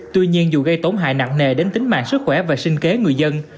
tuy nhiên dù gây tổn hại nặng nề đến tính mạng sức khỏe và sinh kế người dân